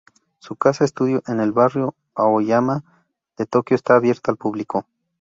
Su casa-estudio en el barrio Aoyama de Tokio está abierta al público.